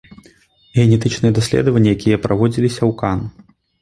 Генетычныя даследаванні, якія праводзіліся ў кан.